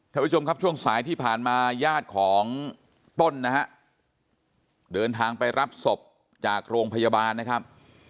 ท่านผู้ชมครับช่วงสายที่ผ่านมาญาติของต้นนะฮะเดินทางไปรับศพจากโรงพยาบาลนะครับ